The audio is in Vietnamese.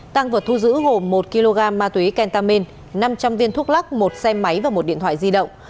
tăng vật thu giữ gồm một kg ma túy kentamine năm trăm linh viên thuốc lắc một xe máy và một điện thoại di động